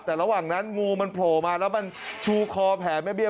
แต่ระหว่างนั้นงูมันโผล่มาแล้วมันชูคอแผลแม่เบี้